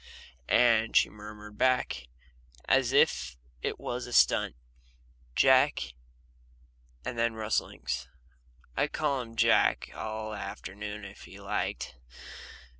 And she murmured back, as if it was a stunt, "Jack" and then rustlings. I'd call him Jack all the afternoon if he liked.